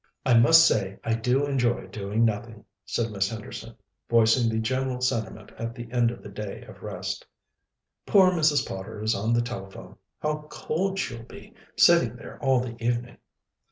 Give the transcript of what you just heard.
"I must say, I do enjoy doing nothing," said Miss Henderson, voicing the general sentiment at the end of the day of rest. "Poor Mrs. Potter is on the telephone. How cold she'll be, sitting there all the evening!"